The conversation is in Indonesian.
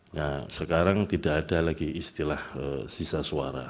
nah sekarang tidak ada lagi istilah sisa suara